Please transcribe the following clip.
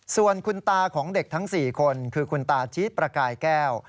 ส่วนคุณตาของเด็กทั้ง๔คนคือคุณตาชีสประกายแก้ว